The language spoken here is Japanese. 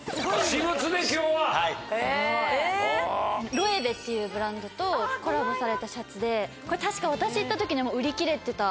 ＬＯＥＷＥっていうブランドとコラボされたシャツでこれ確か私行った時にはもう売り切れてた。